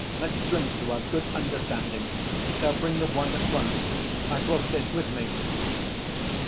Let's drink to our good understanding. They'll bring the wine at once.... I brought this with me."